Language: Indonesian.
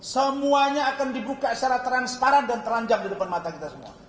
semuanya akan dibuka secara transparan dan telanjang di depan mata kita semua